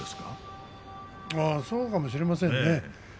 そうかもしれませんね。